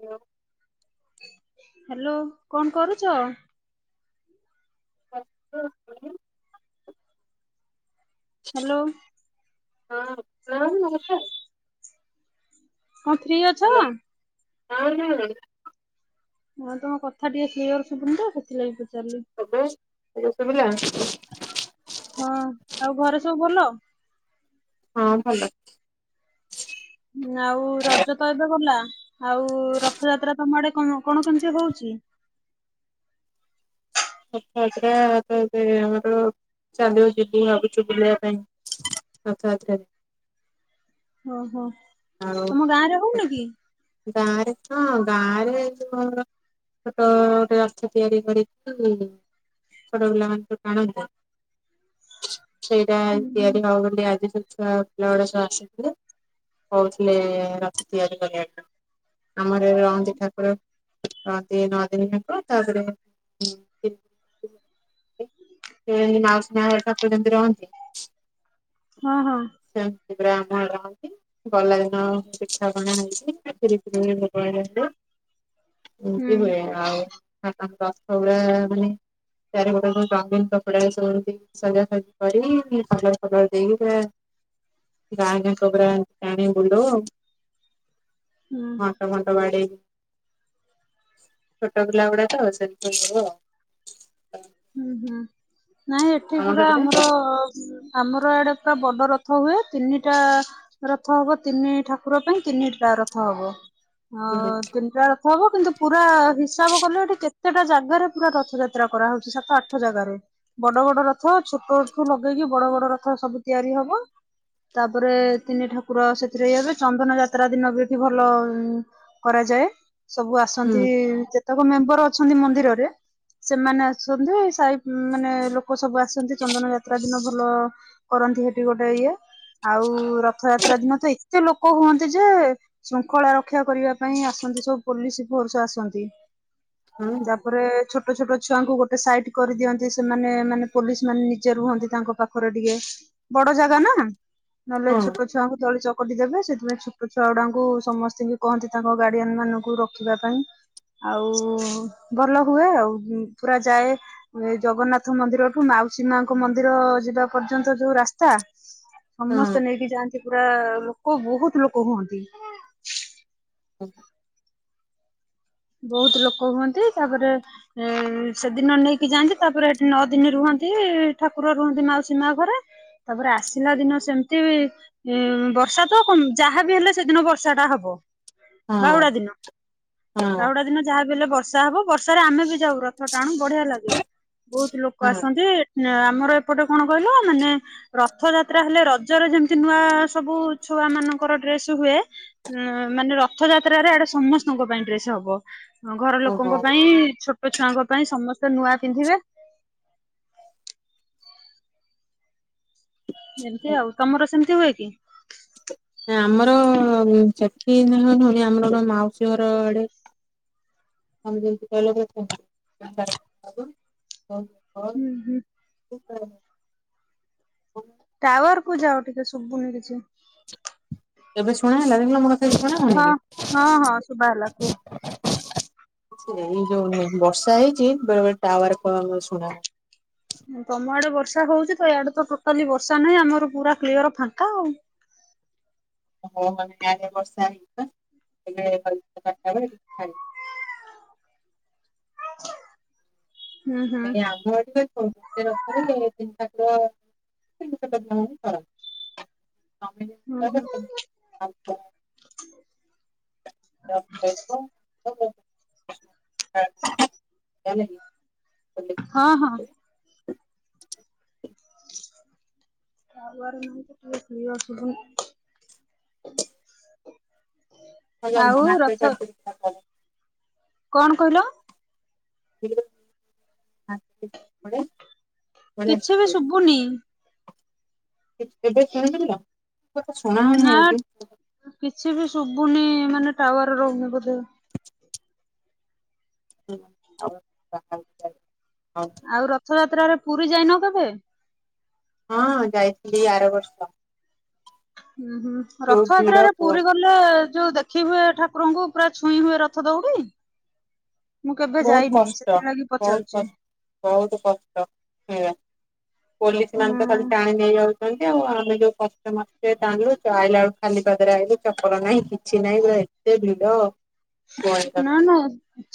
ଏବେ ହ୍ୟାଲୋ କଣ କରୁଛ? ବସ୍ ହ୍ୟାଲୋ ହଁ ହଁ କଁ ଫ୍ରି ଅଛ? ହଁ ହଁ ନାଁ ତମ କଥା ଟିକେ କ୍ଲିୟର ଶୁଭୁନି ତ ସେଥିଲାଗି ପଚାରିଲି। ହ୍ୟାଲୋ। ଏବେ ଶୁଭିଲା? ହଁ ଆଉ ଘରେ ସବୁ ଭଲ? ହଁ ଭଲ। ହଁ ଆଉ ରଜ ତ ଏବେ ଗଲା। ଆଉ ରଥଯାତ୍ରା ତମ ଆଡେ କଣ କେମିତି ହଉଛି? ରଥଯାତ୍ରା ତ ଏବେ ଆମର ଚାଲିବ ଯିବୁ ଭାବୁଛୁ ବୁଲିବା ପାଇଁ। ରଥଯାତ୍ରା ରେ। ଓହୋ ଆଉ ତମ ଗାଁ ରେ ହଉନି କି? ଗାଁରେ ହଁ ଗାଁ ରେ ଯ ଛୋଟ ଗୋଟେ ରସ ତିଆରି କରି ଛୋଟ ପିଲା ମାନେ ସବୁ ଟାଣନ୍ତି ସେଇଟା ହୁଁ ହୁଁ ତିଆରି ହବ ବୋଲି ଆଜି ସେ ଛୁଆ ପିଲା ଗୁଡା ସବୁ ଆସି କହୁଥିଲେ ରଥ ତିଆରି କରିବା ପାଇଁ। ଆମର ରହନ୍ତି ଠାକୁର ରହନ୍ତି ନଅଦିନି ହବ ତାପରେ ସେ ମାଉସୀ ମା ଘରେ ଠାକୁର ଯେମିତି ରହନ୍ତି ହଁ ହଁ ସେମତି ପରା ଆମର ରହନ୍ତି। ଗଲା ଦିନ ଦିନ ପିଠା ପଣା ହେଇଛି ଖିରି ଫିରି ଭୋଗ ହୁଁ ଏମତି ହୁଏ ଆଉ ରଥ ଗୁରା ପୁଣି ଚାରିପଟେ ଗୋଟେ ରଙ୍ଗିନ ଜାମିନ କପଡା ଶୁଅନ୍ତି ସଜାସଜି କରି କଲର ଫଲର ଦେଇକି ପୁରା ଗାଁ ଜାକ ପୁରା ଟାଣି ବୁଲଉ ଆଉ ହଁ। ହୁଁ। ସବୁ ଘଣ୍ଟ ବାଡେଇ ଛୋଟ ପିଲା ଗୁଡାକ ସେଥିପାଇଁ ସବୁ ଆଉ। ହୁଁ ହୁଁ ନାଇଁ ଏଠି ତମ ପୁରା ସେପଟେ ଆମର ଆମର ଏଡେ ପୁରା ବଡ ରଥ ହୁଏ ତିନିଟା ରଥ ହବ ତିନି ଠାକୁର ପାଇଁ ତିନିଟା ରଥ ହବ ଅ ହୁଁ ତିନିଟା ହବ କିନ୍ତୁ ପୁରା ହିସାବ କଲେ ଏଠି ଯେତେଟା ଜାଗାରେ ପୁରା ରଥଯାତ୍ରା କରାହଉଛି। ସାତ ଆଠ ଜାଗାରେ ବଡ ବଡ ରଥ ଛୋଟଠୁ ଲଗେଇକି ବଡ ବଡ ରଥ ସବୁ ତିଆରି ହବ। ତାପରେ ତିନି ଠାକୁର ସେଥିରେ ଇଏ ହେବେ, ଚନ୍ଦନ ଯାତ୍ରା ଦିନ ବି ଏଠି ଭଲ କରାଯାଏ ସବୁ ଆସନ୍ତି ହୁଁ ଯେତେକ ମେମ୍ବର ଅଛନ୍ତି ମନ୍ଦିରରେ ସେମାନେ ଆସଛନ୍ତି ସାହି ହୁଁ ମାନେ ଲୋକ ସବୁ ଆସନ୍ତି ଚନ୍ଦନ ଯାତ୍ରା ଦିନ ଭଲ କରନ୍ତି ସେଠି ଗୋଟେ ଇଏ ଆଉ ରଥଯାତ୍ରା ଦିନ ତ ଏତେ ଲୋକ ହୁଅନ୍ତି ଯେ ଶୃଙ୍ଖଳା ରକ୍ଷା କରିବା ପାଇଁ ଆସନ୍ତି ସବୁ ପୋଲିସ ଫୋର୍ସ ଆସନ୍ତି। ହଁ ତାପରେ ଛୋଟ ଛୋଟ ଛୁଆଙ୍କୁ ଗୋଟେ ସାଇଡ କରିଦିଅନ୍ତି ସେମାନେ ମାନେ ପୋଲିସ ମାନେ ନିଜେ ରୁହନ୍ତି ତାଙ୍କ ପାଖରେ ଟିକେ ବଡ ଜାଗା ନା ନହେଲେ ହଁ ଛୋଟ ଛୁଆଙ୍କୁ ଦଳି ଚକଟି ଦେବେ ସେଥିପାଇଁ ଛୋଟ ଛୁଆ ଗୁଡାଙ୍କୁ ସମସ୍ତଙ୍କୁ କହନ୍ତି ତାଙ୍କ ଗାର୍ଡିଆନ ମାନଙ୍କୁ ରଖିବା ପାଇଁ। ଆଉ ଭଲ ହୁଏ ଆଉ ପୁରା ଯାଏ ଏ ଜଗନ୍ନାଥ ମନ୍ଦିରଠୁ ମାଉସୀ ମାଙ୍କ ମନ୍ଦିର ଯିବା ପର୍ଯ୍ୟନ୍ତ ଯୋଉ ରାସ୍ତା ସମସ୍ତେ ହଁ ନେଇକି ଯାଆନ୍ତି ପୁରା ଲୋକ ବହୁତ ଲୋକ ହୁଅନ୍ତି। ହୁଁ ବହୁତ ଲୋକ ହୁଅନ୍ତି ତାପରେ ସେଦିନ ନେଇକି ଯାଆନ୍ତି ତାପରେ ଏଠି ନଅ ଦିନି ରୁହନ୍ତି ଠାକୁର ରୁହନ୍ତି ମାଉସୀ ମା ଘରେ। ତାପରେ ଆସିଲା ଦିନ ସେମିତି ବି ଉ ବର୍ଷା ତ ଯାହାବି ହେଲେ ସେଦିନ ବର୍ଷା ଟା ହବ ହଁ ବାହୁଡା ଦିନ। ହଁ ବାହୁଡ଼ା ଦିନ ଯାହାବି ହେଲେ ବର୍ଷା ହବ ବର୍ଷାରେ ଆମେ ବି ଯାଉ ରଥ ରଥ ଟାଣୁ ବଢିଆ ଲାଗେ ବହୁତ ଲୋକ ହଁ ଆସନ୍ତି ଆମର ଏପଟେ କଣ କହିଲ ମାନେ ରଥଯାତ୍ରା ହେଲେ ରଜରେ ଯେମିତି ନୂଆ ସବୁ ଛୁଆ ମାନଙ୍କର ଡ୍ରେସ ହୁଏ ଉ ମାନେ ରଥଯାତ୍ରାରେ ଇଆଡ଼େ ସମସ୍ତଙ୍କ ପାଇଁ ଡ୍ରେସ ଆଉ। ଘର ଓହୋ। ଲୋକଙ୍କ ପାଇଁ ଛୋଟ ଛୁଆଙ୍କ ପାଇଁ ସମସ୍ତେ ନୂଆ ପିନ୍ଧିବେ। ଏମତି ଆଉ ତମର ସେମିତି ହୁଏ କି? ଆମର ସେଠି [unintelligible] ଆମର ମାଉସୀ ଘର ଆଡେ ତମେ ଯେମିତି କହିଲ ହୁଁ [unintelligible] ହଉ ହୁଁ [unintelligible] ଟାୱାରକୁ ଯାଅ ଟିକେ ଶୁଭୁନି କିଛି। ଏବେ ଶୁଣା ହେଲା ଦେଖିଲ ମୋ କଥା କିଛି ଶୁଣା ହଉନି ହଁ କି? ହଁ ହଁ ଶୁଭା ହେଲା କୁହ। ସେଇ ଯୋଉ ବର୍ଷା ହେଇଛି ବେଳେ ଟାୱାର କଣ ଶୁଣା ହଉ ତମ ଆଡେ ବର୍ଷା ହଉଛି ତ ଏଆଡେ ତ ଟୋଟାଲି ବର୍ଷା ନାହିଁ ଆମର ପୁରା କ୍ଲିୟର ଫାଙ୍କା ଆଉ। ହ ମାନେ ଆଗ ବର୍ଷା ହେଇଥିଲା ଏଟା ବ [unintelligible] ହୁଁ ହୁଁ ନାଇଁ ଆମଟ [unintelligible] ତିନିାର ନି କର [unintelligible] ହୁଁ ହୁଁ ଆଜ୍ଞା [unintelligible] ହଁ ହଁ ତାପରେ ନହିଁ ଟେ ଶଇ ଅସୁନ [unintelligible] [inaudible] ହଜା ରଥ [unintelligible] କଣ କହିଲ ନା [unintelligible] କିଛି ବି ଶୁଭୁନି ଏବେ ଶୁଣିପାରିଲ ମୋ କଥା ଶୁଣା ନା ଯାଉନି ଏବେ କିଛି ବି ଶୁଭୁନି ମାନେ ଟାୱାର ରହୁନି ବୋଧେ ହଉ [unintelligible] ଆଉ ରଥଯାତ୍ରାରେ ପୁରୀ ଯାଇନ କେବେ ହଁ ଯାଇଥିଲି ଆର ବର୍ଷ ହୁଁ ହୁଁ ଯୋଉ ଭିଡ ରଥଯାତ୍ରାରେ ପୁରୀ କୁହନି ଗ ବୋଇଲେ ଯୋଉ ଦେଖି ହୁଏ ଠାକୁରଙ୍କୁ ପୁରା ଛୁଇଁ ହୁଏ ରଥ ଦଉଡି ମୁଁ କେବେ ବହୁତ ଯାଇନି କଷ୍ଟ ସେଥିଲାଗି ବହୁତ ପଚାରୁଚି। କଷ୍ଟ ବହୁତ କଷ୍ଟ ହେଇ ପୋଲିସ ମାନେ ତ ଖାଲି ହୁଁ। ଟାଣି ନେଇଯାଉଛନ୍ତି ଆଉ ଆମେ ଯୋଉ କଷ୍ଟମଷ୍ଟେ ତାଣୁ ଆଲାବେଳେ ଖାଲି ପାଦରେ ଆଇଲୁ ଚପଲ ନାହିଁ। ଚେନ୍ନାଇ ରେ ଏତେ ଭିଡ। କୁହନି ନା ତମେ ନା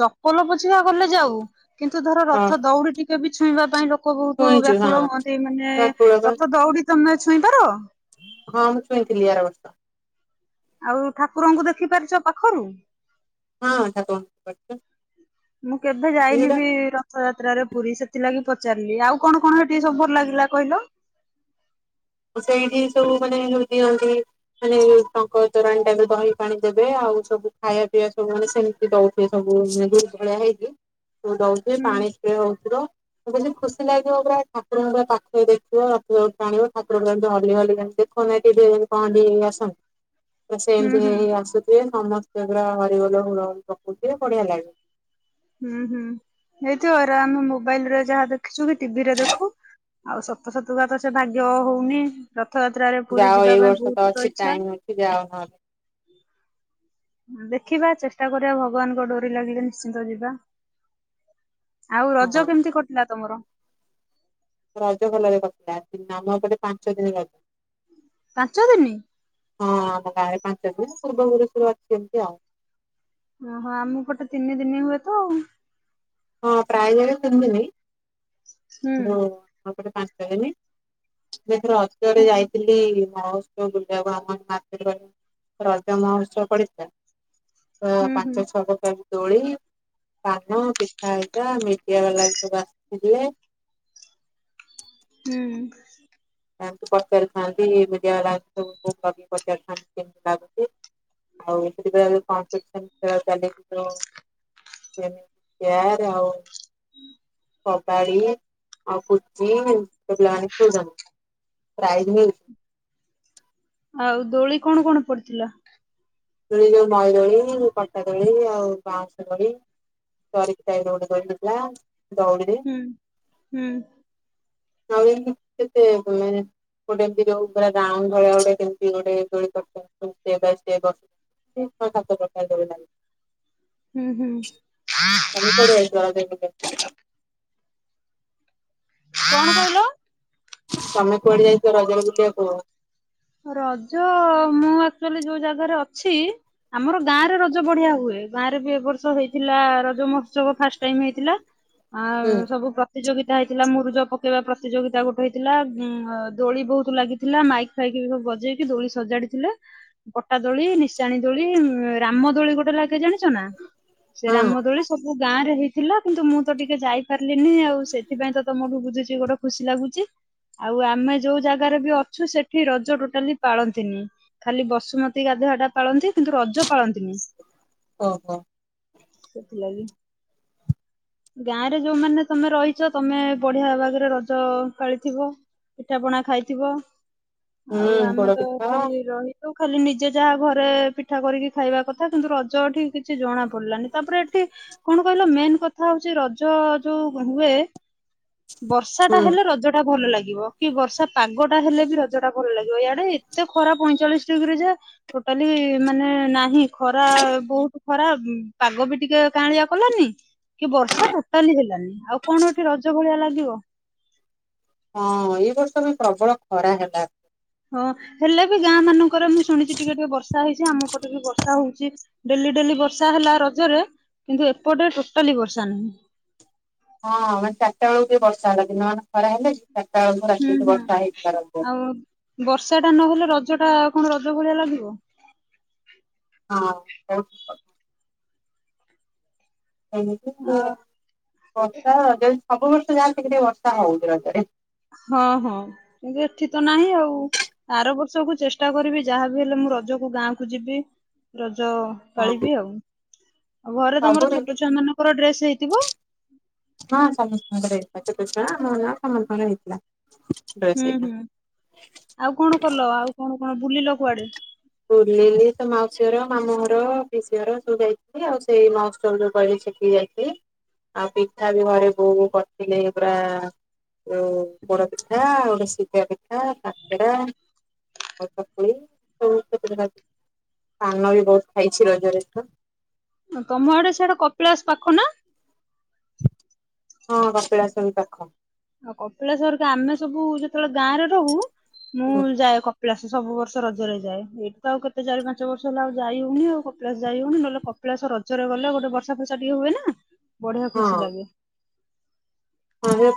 ଚପଲ ପୋଛିବା ଗଲେ ଯାଉ କିନ୍ତୁ ଧର ହଁ ରଥ ଦଉଡି ଟି କେ ବି ଛୁଇଁବା ପାଇଁ ଲୋକ ବହୁତ ଛୁଇଁଛୁ ହଁ ବ୍ୟାକୁଳ ହୁଅନ୍ତି ମାନେ ଠାକୁର ବା ରଥ ଦଉଡି ତମେ ଛୁଇଁପାର? ହଁ ମୁଁ ଛୁଇଁଥିଲି ଆର ବର୍ଷ। ଆଉ ଠାକୁରଙ୍କୁ ଦେଖି ପାରିଛ ପାଖରୁ। ହଁ ଠାକୁରଙ୍କୁ [unintelligible] ମୁଁ କେଭେ ଯାଇନି ଭିଡ ବି ରଥଯାତ୍ରାରେ ପୁରୀ ସେଥିଲାଗି ପଚାରିଲି ଆଉ କଣ କଣ ହେ ତି ସବୁୁ ଲାଗିଲା କହିଲ? ସେଇଠି ସବୁ ମାନେ ଯୋଉ ଦିଅନ୍ତି ମାନେ ଟଙ୍କ ତୋରାଣୀ ଟା ଦହି ପାଣି ଦେବେ ଆଉ ସବୁ ଖାଇବା ପିଇବା ସବୁ ମାନେ ସେମି ଦଉଥିବେ ସବୁ ମେ ଦୁ ଭଳିଆ ହେଇକି ଦଉଥିବେ ହୁଁ ପାଣି ହଉ ଥିବ ମୁଁ କହିଲି ଖୁସି ଲାଗିବ ପୁରା ଠାକୁରଙ୍କର ପାଖରେ ଦେଖିବ ରଥ ଦଉଡି ଜାଣିବ। ଠାକୁରଙ୍କୁ ଏମତି ହଲି ହଲି ଦେଖୁନ ଟିକେ କଣ ଟିଭି ରେ ଆସନ୍ତି ବା ସେ ହୁଁ ଏମିତି ହୁଁ ଆସୁ ସେ ସମସ୍ତେଙ୍କର ହରିବୋଲ ହୁଳହୁଲି ପକଉ ଥିବେ ବଢିଆ ଲାଗେ। ହୁଁ ହୁଁ ହେଇଥିବ ଏରା ଆମେ ମୋବାଇଲରେ ଯାହା ଦେଖିଛୁ କି ଟିଭିରେ ଦେଖୁ ଆଉ ସତ ସତୁକା ତ ସେ ଭାଗ୍ୟ ହଉନି ରଥଯାତ୍ରରେ ପୁରୀ ଯିବା ପାଇଁ ବହୁତ ତ ଇଚ୍ଛା। ଯା ହଉ। ଦେଖିବା ଚେଷ୍ଟା କରିବା ଭଗବାନଙ୍କ ଡୋରି ଲାଗିଲେ ନିଶ୍ଚିନ୍ତ ଯିବା। ଆଉ ରଜ ହଁ। କେମିତି କଟିଲା ତମର? ରଜ ଭଲରେ କଟିଲା ଆମ ଏପଟେ ପାଞ୍ଚ ଦିନ ରଜ। ପାଞ୍ଚ ଦିନି। ହଁ ଆମ ଗାଁରେ ପାଞ୍ଚ ଦିନ ପୂର୍ବପୁରୁଷ ରୁ ଅଛି ଏମିତି ଆଉ। ଓହୋ ଆମ ପଟେ ତିନି ଦିନି ହୁଏ ତ। ହଁ ପ୍ରାୟ ଜାଗାରେ ତିନି ଦିନି ହୁଁ ଯୋଉ ଆମ ଏପଟେ ପାଞ୍ଚି ଦିନି। [unintelligible] ହତରେ ହୁଁ ଯାଇଥିଲି [unintelligible] ଅ ହୁଁ ହୁଁ ପାଞ୍ଚ ଛଅ ପ୍ରକାର ଦୋଳି, ପାନ ଖାଇବା ମିଡିଆ ବାଲା ବି ସବୁ ଆସିଥିଲେ। ହୁଁ। ଏମତି ପଚାରୁିଥାନ୍ତି ବୁଝ ବାଲା ସବୁ ଲଗି ପଚାରୁିଥାନ୍ତି କେମିତି ଲାଗୁଛି। [unintelligible] କେୟାର ଆଉ କବାଡ଼ି ଆଉ ପୁଚି ଛୋଟ ପିଲା ମାନେ ଖେଳୁଛନ୍ତି। ପ୍ରାଇଜ୍ ମିଲୁଚି। ଆଉ ଦୋଳି କଣ କଣ ପଡିଥିଲା? ଦୋଳି ଯୋଉ ମଇଦୋଳି, କଟା ଦୋଳି ଆଉ ବାଉଁଶ ଦୋଳି। ହୁଁ ହୁଁ [unintelligible] [unintelligible] [unintelligible] ଛ ସାତ ପ୍ରକାର ଦୋଳି ଲାଗିଥିଲା। ହୁଁ ହୁଁ। [unintelligible] କଣ କହିଲ? ତମେ କୁଆଡେ ଯାଇଚ ରଜରେ ବୁଲିବାକୁ? ରଜ ମୁଁ ଆକଚୁଆଲି ଯୋଉ ଜାଗାରେ ଅଛି ଆମର ଗାଁ ରେ ରଜ ବଢିଆ ହୁଏ ଗାଁରେ ବି ଏବ ବର୍ଷ ହେଇଥିଲା ରଜ ମହୋତ୍ସବ ଫାଷ୍ଟ ଟାଇମ ହେଇଥିଲା ଆ ହୁଁ ସବୁ ପ୍ର ପ୍ରତିଯୋଗିତା ହେଇଥିଲା ମୁରୁଜ ପକେଇବା ପ୍ରତିଯୋଗିତା ଗୋଟାଏ ହେଇଥିଲା ଅଁ ଦୋଳି ବହୁତ ଲାଗିଥିଲା ମାଇକ୍ ଫାଇକି ବଜେଇକି ଦୋଳି ସଜାଡିଥିଲେ। ପଟାଦୋଳି, ନିଶାଣିଦୋଳି, ରାମ ଦୋଳି ଗୋଟିଏ ଲାଗେ ଜାଣିଚ ନା? ସେ ହଁ ରାମ ଦୋଳି ସବୁ ଗାଁ ରେ ହେଇ ଥିଲା କିନ୍ତୁ ମୁଁ ତ ଟିକେ ଯାଇପାରିଲିନି ଆଉ ସେଥିପାଇଁ ତମଠୁ ବୁଝୁଚି ଗୋଟାଏ ଖୁସି ଲାଗୁଚି ଆଉ ଆମେ ଯୋଉ ଜାଗାରେ ବି ଅଛୁ ସେଠି ରଜ ଟୋଟାଲି ପାଳନ୍ତିନି। ଖାଲି ବସୁମତୀ ଗାଧୁଆ ଟା ପାଳନ୍ତି କିନ୍ତୁ ରଜ ପାଳନ୍ତିନି। ଓହୋ। ସେଥିଲାଗି ଗାଁ ରେ ଯୋଉମାନେ ତମେ ରହିଚ ତମେ ବଢିଆ ଭାବରେ ରଜ ପାଳିଥିବ ପିଠା ପଣା ଖାଇଥିବ ଆଉ ହୁଁ ଆମେ ପୋଡ ତ ପିଠା ଏଠି ରହି ତ ଖାଲି ନିଜେ ଯାହା ଘରେ ପିଠା କରିକି ଖାଇବା କଥା କିନ୍ତୁ ରଜ ଏଠି କିଛି ଜଣା ପଡିଲାନି ତାପରେ ଏଠି କଣ କହିଲ ମେନ୍ କ କଥା ହଉଚି ରଜ ଯୋଉ ହୁଏ ବର୍ଷା ଟା ହୁଁ ହେଲେ ରଜ ଟା ଭଲ ଲାଗିବ କି ବର୍ଷା ପାଗଟା ହେଲେ ବି ରଜ ଟା ଭଲ ଲାଗିବ ଇଆଡେ ଏତେ ଖରା ପଇଁଚାଳିଶ ଡିଗ୍ରୀ ଯେ ଟୋଟାଲି ମାନେ ନାହିଁ ଖରା ବହୁତ ଖରା ପାଗ ବି ଟିକିଏ କାଁଳିଆ କଲାନି କି ବର୍ଷା ଟୋଟାଲି ହେଲାନି ଆଉ କଣ ଏଠି ରଜ ଭଳିଆ ଲାଗିବ। ହଁ ଏଇ ବର୍ଷ ବି ପ୍ରବଳ ଖରା ହେଲା। ହଁ ହେଲେ ବି ଗାଁ ମାନଙ୍କରେ ମୁଁ ଶୁଣିଚି ଟିକିଏ ଟିକିଏ ବର୍ଷା ହେଇଚି ଆମ ପଟେ ବି ବର୍ଷା ହଉଚି। ଡେଲି ଡେଲି ବର୍ଷା ହେଲା ରଜରେ କିନ୍ତୁ ଏପଟେ ଟୋଟାଲି ବର୍ଷା ନାହିଁ। ହଁ ମାନେ ଚିରି ଟା ବେଳେକୁ ବର୍ଷା ହେଲା ଦିନ ମାନ ଖରା ହେଲେ ଚାରିଟା ବେଳକୁ ହୁଁ ରାତିଠି ହୁଁ ବର୍ଷା ହେଇଥିବାରକୁ। ଆଉ ବର୍ଷା ଟା ନହେଲେ ରଜ ଟା କଣ ରଜ ଭଳିଆ ଲାଗିବ। ହଁ। ଏମତି ଆଉ ବର୍ଷା ଯଦି ସବୁ ବର୍ଷ ଯାହେଲେ ଟିକିଏ ଟିକିଏ ବର୍ଷା ହଉଛି ରଜରେ ହଁ ହଁ କିନ୍ତୁ ଏଠି ତ ନାହିଁ ଆଉ। ଆର ବର୍ଷକୁ ଚେଷ୍ଟା କରିବି ଯାହାବି ହେଲେ ମୁଁ ରଜକୁ ଗାଁ କୁ ଯିବି ରଜ ଅ ହଁ ପାଳିବି ଆଉ ଆଉ ଘରେ ସବୁ ତମର ରି ଛୋଟ ଛୁଆ ମାନଙ୍କର ଡ୍ରେସ ହେଇଥିବ? ହଁ ସମସ୍ତଙ୍କର ହେଇଥିଲା ଛୋଟ ଛୁଆ ଆମ ମାନଙ୍କର ସମସ୍ତଙ୍କର ହେଇଥିଲା। ଡ୍ରେସ ହୁଁ ହେରିକା। ହୁଁ ଆଉ କଣ କଲ ଆଉ କଣ କଣ ବୁଲିଲ କୁଆଡେ? ବୁଲିଲି ସେ ମାଉସୀ ଘର, ମାମୁ ଘର, ପିସି ଘର, ସବୁ ଯାଇଥିଲି ଆଉ ସେଇ [unintelligible] ଯୋଉ କହିଲି ସେଠିକି ଯାଇ [inaudible] ଆଉ ପିଠା ବି ଘରେ ବୋଉ କରିଥିଲେ ପୁରା ଓ ଅ ପୋଡ ପିଠା, ଆଉ ଗୋଟେ ଶିଝା ପିଠା କାକେରା [unintelligible] ପାନ ବି ବହୁତ ଖାଇଛି ରଜରେ ଏଥର। ତମ ଆଡେ ସେଆଡେ କପିଳାସ ପାଖ ନା? ହଁ କପିଳାସ ବି ପାଖ। ଆଉ କପିଳେଶ୍ୱର ଆମେ ସବୁ ଯେତେବେଳେ ଗାଁରେ ରହୁ ମୁଁ ହୁଁ ଯାଏ କ ପିଳାସ ସବୁ ବର୍ଷ ରଜରେ ଯାଏ ଏଇଠି ତ ଆଉ କେତ ଚାରି ପାଞ୍ଚ ବର୍ଷ ହେଲା ଆଉ ଯାଇ ହଉନି ଆଉ କପିଳାସ ଯାଇ ହଉନି ନହଲେ କ କପିଳାସ ରଜରେ ଗଲେ ଗୋଟେ ବର୍ଷା ଫର୍ସା ଟିକେ ହୁଏ ନା ବଢିଆ ଖୁସି ହଁ। ଲାଗେ।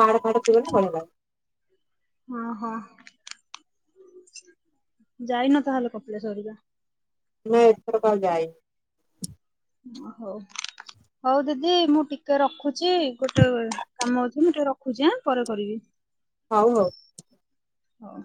ପାହାଡ ଫାଡ ଥିବ ନା ବଢିଆ ଲାଗେ। [unintelligible] ହଁ ହଁ ଯାଇନ ତାହେଲେ କପିଳାସ ହେରିକା। ନା ଏଥର କ ଆଉ ଯାଇନି। ଓ ହଉ ହଉ ଦିଦି ମୁଁ ଟିକେ ରଖୁଛି ଗୋଟେ କାମ ଅଛି ମୁଁ ଟିକେ ରଖୁଛି ଆଁ ପରେ କରିବି। ହଉ ହଉ। ହଉ।